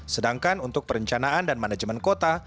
sedangkan untuk perencanaan dan manajemen kota